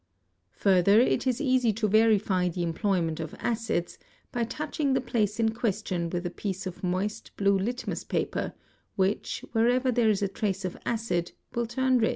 Further it is easy to verify the employment of acids, by touching © the place in question with a piece of moist blue litmus paper, which, — where ever there is a trace of acid, will turn red.